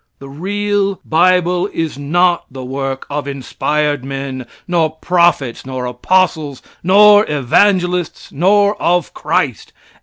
The real bible is not the work of inspired men, nor prophets, nor apostles, nor evangelists, nor of Christ.